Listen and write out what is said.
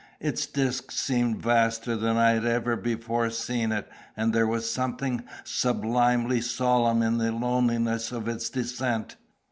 Its disk seemed vaster than I had ever before seen it, and there was something sublimely solemn in the loneliness of its descent.